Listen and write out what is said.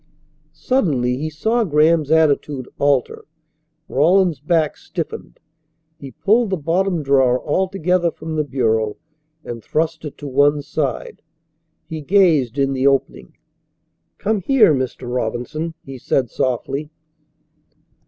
Suddenly he saw Graham's attitude alter. Rawlins's back stiffened. He pulled the bottom drawer altogether from the bureau and thrust it to one side. He gazed in the opening. "Come here, Mr. Robinson," he said softly.